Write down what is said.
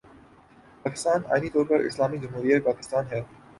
پاکستان آئینی طور پر 'اسلامی جمہوریہ پاکستان‘ ہے۔